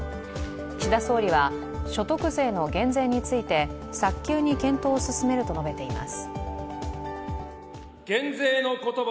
岸田総理は所得税の減税について早急に検討を進めると述べています。